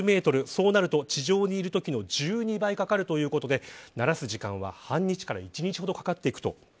そうなると地上にいるときの１２倍かかるということで慣らす時間は半日から１日ほどかかっていく。